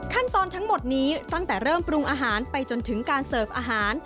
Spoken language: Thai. ทั้งหมดนี้ตั้งแต่เริ่มปรุงอาหารไปจนถึงการเสิร์ฟอาหาร